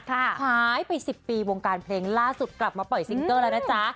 หายไป๑๐ปีวงการเพลงล่าสุดกลับมาปล่อยซิงเกอร์แล้วนะจ๊ะ